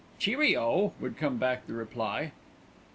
"Cheerio!" would come back the reply.